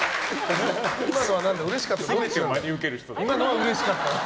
今のはうれしかったんですか？